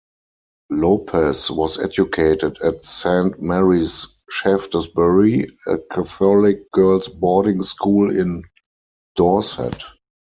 Lopes was educated at Saint Mary's Shaftesbury, a Catholic girls boarding school in Dorset.